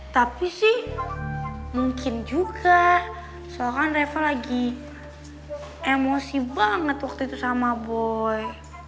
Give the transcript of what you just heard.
tapi sih mungkin juga soal kan reva lagi emosi banget waktu itu sama boy